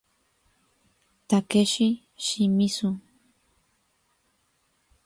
Takeshi Shimizu